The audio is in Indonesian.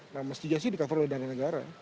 nah mestinya sih di cover oleh dana negara